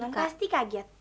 belum pasti kaget